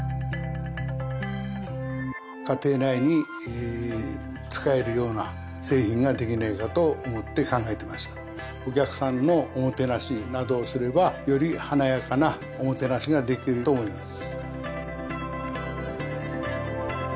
家庭内に使えるような製品ができないかと思って考えてましたお客さんのおもてなしなどをすればより華やかなおもてなしができると思います